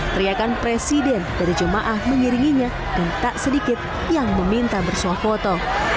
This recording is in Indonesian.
teriakan presiden dari jemaah mengiringinya dan tak sedikit yang meminta bersuah foto